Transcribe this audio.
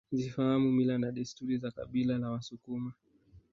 Zifahamu mila na desturi za kabila la wasukuma